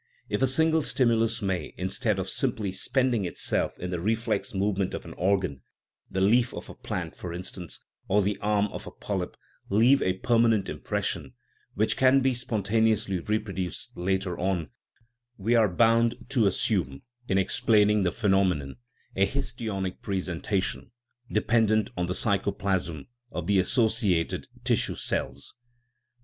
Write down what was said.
If a single stimulus may, instead of simply spending itself in the reflex movement of an organ (the leaf of a plant, for in stance, or the arm of a polyp), leave a permanent im pression, which can be spontaneously reproduced later on, we are bound to assume, in explaining the phenom enon, a histionic presentation, dependent on the psycho plasm of the associated tissue cells.